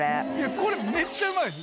これ、めっちゃうまいです。